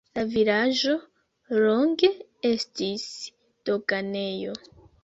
La vilaĝo longe estis doganejo.